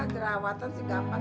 gerawatan sih gampang